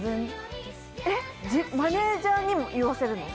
マネジャーに言わせるの？